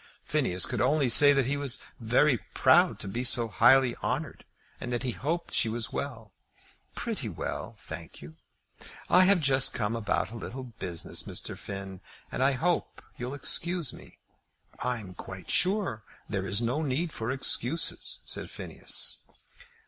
Phineas could only say that he was very proud to be so highly honoured, and that he hoped she was well. "Pretty well, I thank you. I have just come about a little business, Mr. Finn, and I hope you'll excuse me." "I'm quite sure that there is no need for excuses," said Phineas.